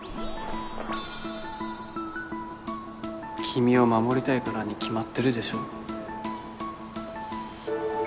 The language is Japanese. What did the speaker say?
君を守りたいからに決まってるでしょ